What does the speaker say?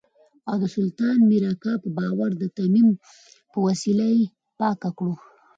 او د سلطان مير اکا په باور د تيمم په وسيله يې پاکه کړو.